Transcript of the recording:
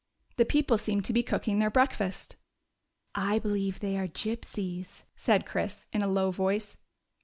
The people seemed to be cooking their breakfast. " I believe they are Gypsies," said Chris, in a low voice.